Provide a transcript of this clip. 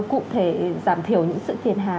cụ thể giảm thiểu những sự thiền hà